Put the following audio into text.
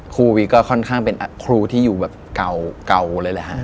วีก็ค่อนข้างเป็นครูที่อยู่แบบเก่าเลยแหละฮะ